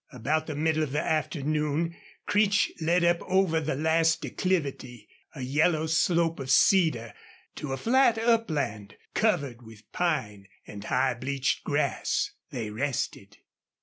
About the middle of the afternoon Creech led up over the last declivity, a yellow slope of cedar, to a flat upland covered with pine and high bleached grass. They rested.